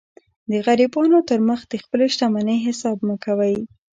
د غریبانو تر مخ د خپلي شتمنۍ حساب مه کوئ!